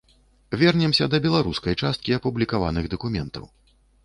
Вернемся да беларускай часткі апублікаваных дакументаў.